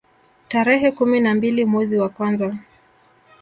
Tarehe kumi na mbili mwezi wa kwanza